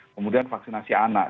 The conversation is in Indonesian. kemudian vaksinasi anak